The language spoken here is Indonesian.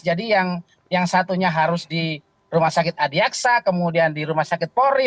jadi yang satunya harus di rumah sakit adi aksa kemudian di rumah sakit polri